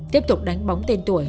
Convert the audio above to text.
tiếp tục đánh bóng tên tuổi